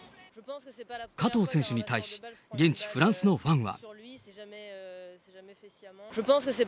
加藤選手に対し、現地フランスのファンは。